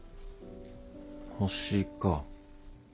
星か。